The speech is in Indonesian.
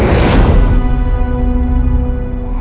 senikoh gusti dari pati